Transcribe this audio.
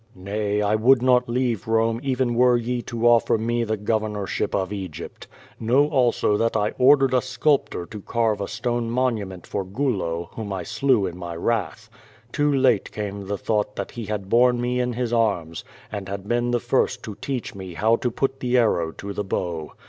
Nay, I would not leave Rome even were ye to offer me the governorship of Egypt. Know also that 1 ordered a sculptor to carve a stone monument for Gulo, whom I slew in my wrath. Too late came the thought that lie had borne me in his arms, and had been the first to teach me how to put the arrow to the bow.